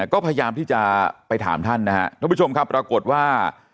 ก็พยายามที่จะไปถามท่านนะครับท่านผู้ชมครับปรากฏว่า